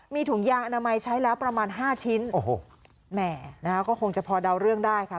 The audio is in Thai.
มีถุงยางอนามัยใช้แล้วประมาณห้าชิ้นโอ้โหแหม่นะคะก็คงจะพอเดาเรื่องได้ค่ะ